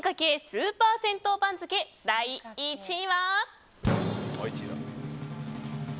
スーパー銭湯番付第１位は。